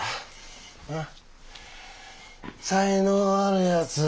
才能あるやつ